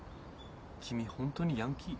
君ホントにヤンキー？